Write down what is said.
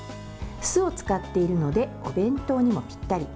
酢を使っているのでお弁当にもぴったり。